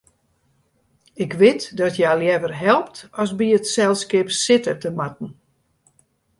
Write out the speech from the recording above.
Ik wit dat hja leaver helpt as by it selskip sitte te moatten.